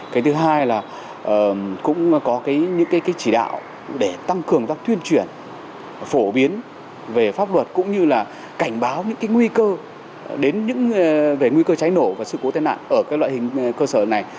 cái thứ hai là cũng có những cái chỉ đạo để tăng cường và tuyên truyền phổ biến về pháp luật cũng như là cảnh báo những cái nguy cơ đến những về nguy cơ cháy nổ và sự cố tên nạn ở các loại hình cơ sở này